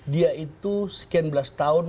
dia itu sekian belas tahun